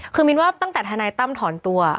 คือมินว่าตั้งแต่ทนายตั้มถอนตัว